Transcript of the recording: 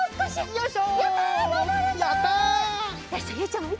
よいしょ！